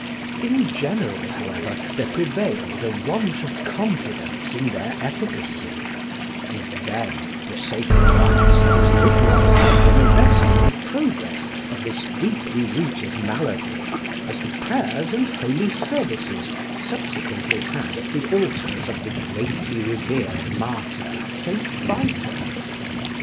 In general, however, there prevailed a want of confidence in their efficacy, and then the sacred rites had as little power in arresting the progress of this deeply rooted malady as the prayers and holy services subsequently had at the altars of the greatly revered martyr St. Vitus.